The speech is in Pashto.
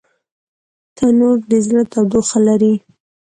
تنور د زړه تودوخه لري